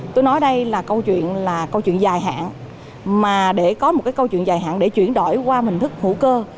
tôi nói đây là câu chuyện dài hạn mà để có một câu chuyện dài hạn để chuyển đổi qua hình thức hữu cơ